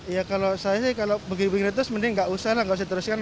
ya kalau saya sih kalau begini begini terus mending nggak usah lah nggak usah diteruskan